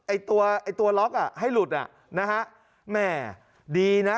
ไอ้ตัวไอ้ตัวล็อกอ่ะให้หลุดอ่ะนะฮะแหม่ดีนะ